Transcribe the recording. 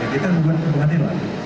jadi kan bukan kekuatan yang lain